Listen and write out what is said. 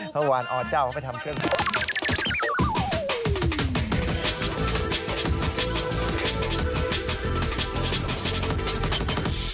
พระวานอ๋อเจ้าเข้าไปทำเครื่องกรองน้ำ